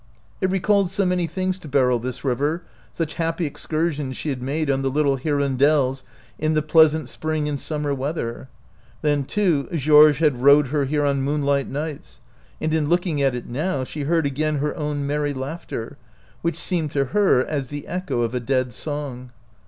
It recalled so many things to Beryl, this river — such happy ex cursions she had made on the little hiron delles in the pleasant spring and summer weather. Then, too, Georges had rowed her here on moonlight nights ; and in look ing at it now she heard again her own merry laughter, which seemed to her as the echo of a dead song.